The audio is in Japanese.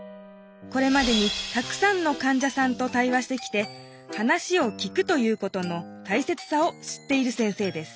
これまでにたくさんの患者さんとたい話してきて「話を聞く」ということの大切さを知っている先生です